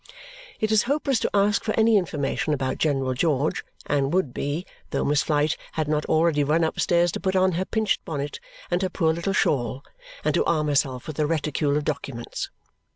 It is hopeless to ask for any information about General George, and would be, though Miss Flite had not already run upstairs to put on her pinched bonnet and her poor little shawl and to arm herself with her reticule of documents.